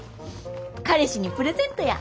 彼氏にプレゼントや。